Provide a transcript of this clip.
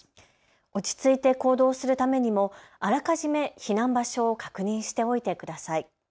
落ち着いて行動するためにもあらかじめ避難場所を確認しておいてください。